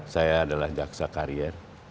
saya adalah jaksa karier